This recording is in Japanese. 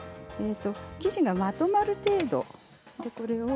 生地がまとまる程度ね。